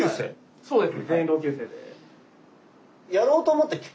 そうですね。